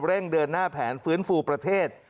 เร่งเดินหน้าแผนฟื้นฟูประเทศ